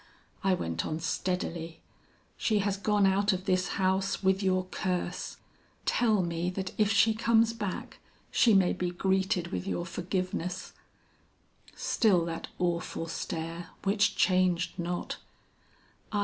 I went on steadily; 'She has gone out of this house with your curse; tell me that if she comes back, she may be greeted with your forgiveness.' Still that awful stare which changed not.